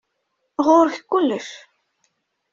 Ɣur-k kullec.